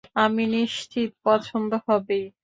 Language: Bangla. আমি নিশ্চিত পছন্দ হবেই।